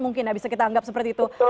mungkin ya bisa kita anggap seperti itu